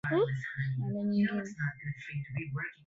kumbuka unapopanda juu yako unapanda juu ya roho inayofikiri Basi